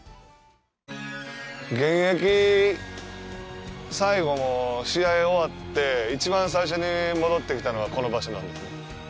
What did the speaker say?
現役最後も試合が終わって、一番最初に戻ってきたのがこの場所なんですよ。